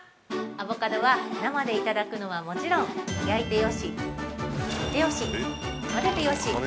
アボカドは生でいただくのはもちろん！焼いてよし、煮てよし。